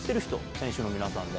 選手の皆さんで。